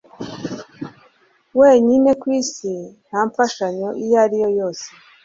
wenyine kwisi nta mfashanyo iyo ari yo yose